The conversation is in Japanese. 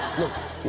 何？